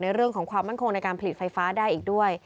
เรื่องของความมั่นคงในการผลิตไฟฟ้าได้อีกด้วย